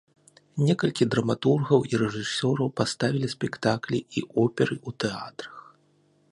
Некалькі драматургаў і рэжысёраў паставілі спектаклі і оперы ў тэатрах.